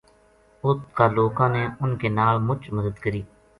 اُت کا لوکاں نے انھ کے نال مُچ مدد کری